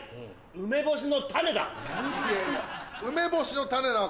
梅干しの種だ。